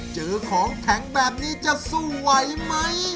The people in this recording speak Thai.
เจอของแข็งแบบนี้จะสู้ไหวไหม